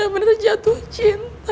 yang bener bener jatuh cinta